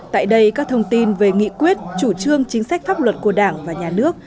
tại đây các thông tin về nghị quyết chủ trương chính sách pháp luật của đảng và nhà nước